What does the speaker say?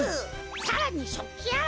さらにしょっきあらい！